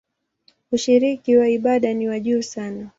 Ushiriki wa ibada ni wa juu sana.